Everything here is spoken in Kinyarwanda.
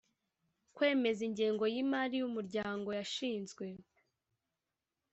kwemeza ingengo y imari y umuryango yashinzwe